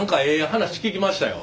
話聞きましたよ。